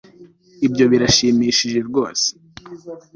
ibyo birashimishije rwose